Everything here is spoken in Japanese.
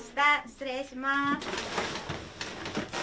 失礼します。